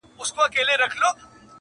جهاني به په لحد کي وي هېر سوی٫